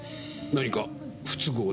何か不都合でも？